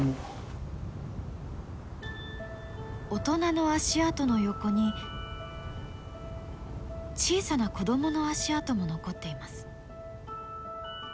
大人の足跡の横に小さな子どもの足跡も残っています。